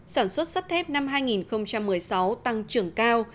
sản xuất sắt sắt thép năm hai nghìn một mươi sáu tăng trưởng cao